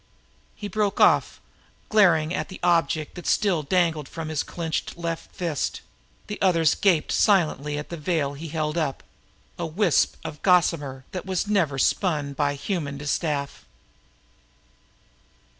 He broke off, glaring at the object that still dangled from his clenched left fist; the others gaped silently at the veil he held up—a wisp of gossamer that was never spun by human distaff.